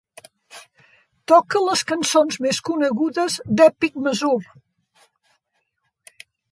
Toca les cançons més conegudes d'Epic Mazur.